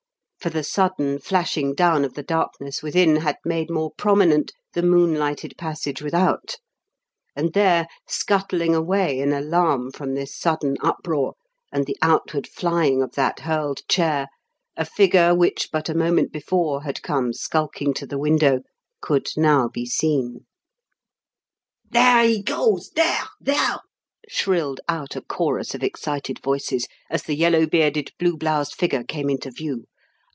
For the sudden flashing down of the darkness within, had made more prominent, the moon lighted passage without; and there, scuttling away in alarm from this sudden uproar, and the outward flying of that hurled chair, a figure which but a moment before had come skulking to the window, could now be seen. "There he goes there! there!" shrilled out a chorus of excited voices, as the yellow bearded, blue bloused figure came into view.